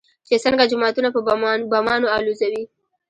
چې څنگه جوماتونه په بمانو الوزوي.